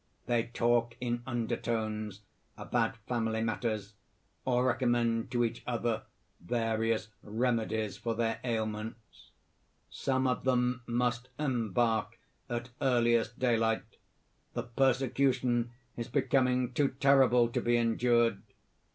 _ _They talk in undertones about family matters, or recommend to each other various remedies for their ailments. Some of them must embark at earliest daylight; the persecution is becoming too terrible to be endured.